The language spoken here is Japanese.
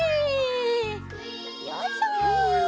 よいしょ。